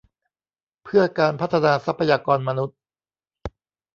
เพื่อการพัฒนาทรัพยากรมนุษย์